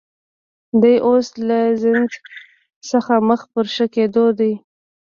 دی اوس له زنځ څخه مخ پر ښه کېدو دی